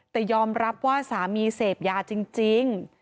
แต่ยอมรับว่าสามีเสพยาจริง